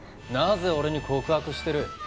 なぜ俺に告白してる？